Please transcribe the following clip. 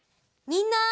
みんな！